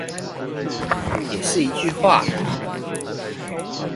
也是一句話